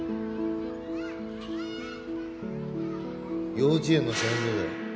幼稚園の先生。